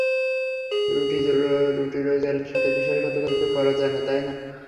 রুটি রোজগারের সাথে বিশ্বাসঘাতকতা তো করা যায় না, তাই না?